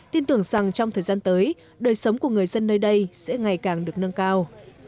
tin tưởng rằng trong thời gian tới đời sống của người dân nơi đây sẽ ngày càng được nâng cao